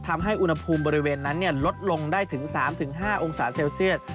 ทำให้อุณหภูมิบริเวณนั้นลดลงได้ถึง๓๕องศาเซลเซียส